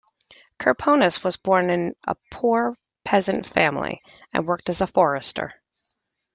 Kirponos was born in a poor peasant family and worked as a forester.